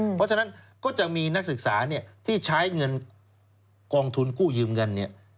เพราะฉะนั้นก็จะมีนักศึกษาที่ใช้เงินกองทุนกู้ยืมเงินเนี่ย